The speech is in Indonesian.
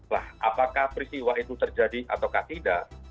lah apakah peristiwa itu terjadi atau tidak